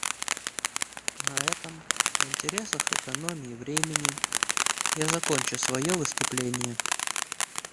На этом, в интересах экономии времени, я закончу свое выступление.